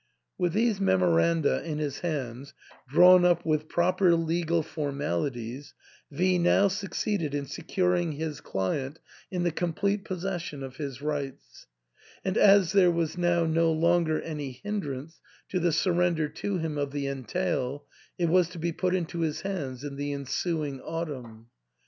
With these memoranda in his hands, drawn up with proper legal formalities, V now succeeded in securing his client in the com plete possession of his rights ; and as there was now no longer any hindrance to the surrender to him of the entail, it was to be put into his hands in the ensuing autumn.